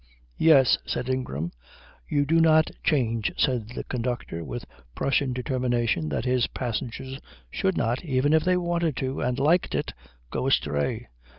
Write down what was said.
"Yes," said Ingram. "You do not change," said the conductor, with Prussian determination that his passengers should not, even if they wanted to and liked it, go astray.